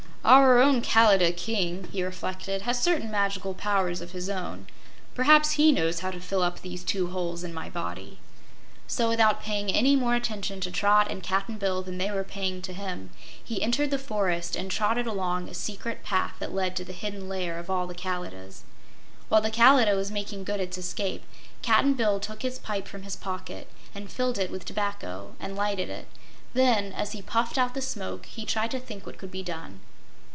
"Our own Kalidah King," he reflected, "has certain magical powers of his own. Perhaps he knows how to fill up these two holes in my body." So without paying any more attention to Trot and Cap'n Bill than they were paying to him, he entered the forest and trotted along a secret path that led to the hidden lair of all the Kalidahs. While the Kalidah was making good its escape Cap'n Bill took his pipe from his pocket and filled it with tobacco and lighted it. Then, as he puffed out the smoke, he tried to think what could be done.